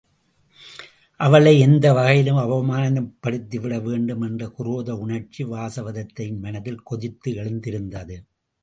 அவளை எந்த வகையிலும் அவமானப்படுத்திவிட வேண்டும் என்ற குரோத உணர்ச்சி வாசவதத்தையின் மனத்தில் கொதித்து எழுந்திருந்தது.